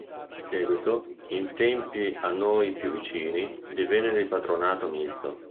In seguito, in tempi a noi più vicini, divenne di patronato misto.